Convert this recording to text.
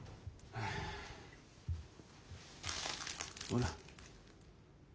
ほら。